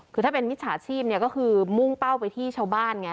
คือถ้าเป็นมิจฉาชีพเนี่ยก็คือมุ่งเป้าไปที่ชาวบ้านไง